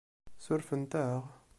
Surfent-aɣ?